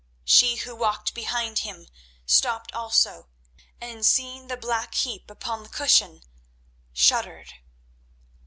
She who walked behind him stopped also, and, seeing the black heap upon the cushion, shuddered.